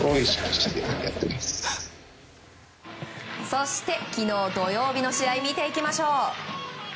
そして昨日、土曜日の試合見ていきましょう。